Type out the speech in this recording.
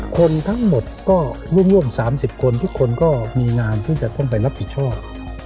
คนทั้งหมดก็ร่วม๓๐คนทุกคนก็มีงานที่จะต้องไปรับผิดชอบ